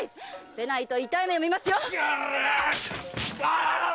でないと痛い目を見ますよ！